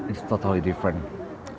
ini benar benar berbeda